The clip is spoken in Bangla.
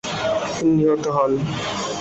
তিনি নিহত হন।